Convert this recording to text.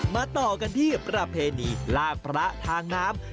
ต่อกันที่ประเพณีลากพระทางน้ำ